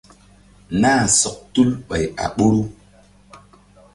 Nah sɔk tul ɓay a ɓoru.